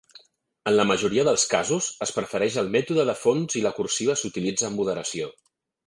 En la majoria dels casos, es prefereix el mètode de fons i la cursiva s'utilitza amb moderació.